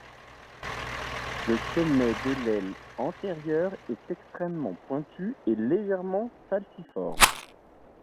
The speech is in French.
Le sommet de l'aile antérieure est extrêmement pointu et légèrement falciforme.